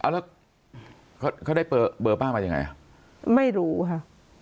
แล้วเขาได้เบอร์ป้ามายังไงอ่ะไม่รู้ค่ะ